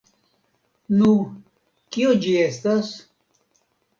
Nu, kio ĝi estas?